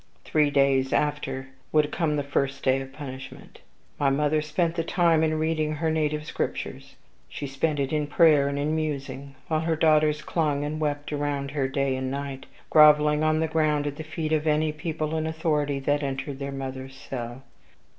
Three days after would come the first day of punishment. My mother spent the time in reading her native Scriptures; she spent it in prayer and in musing; while her daughters clung and wept around her day and night groveling on the ground at the feet of any people in authority that entered their mother's cell.